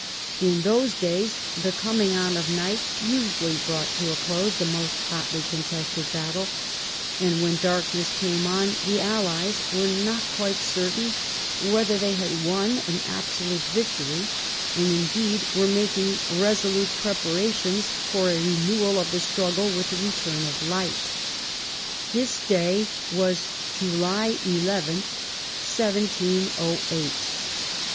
In those days the coming on of night usually brought to a close the most hotly contested battle, and when darkness came on the allies were not quite certain whether they had won an absolute victory, and, indeed, were making resolute preparations for a renewal of the struggle with the return of light. This day was «•• 858 2/ THE BEI6N OF QUEEN ANNE July 11, 1708.